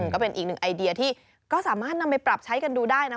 ก็เป็นอีกหนึ่งไอเดียที่ก็สามารถนำไปปรับใช้กันดูได้นะ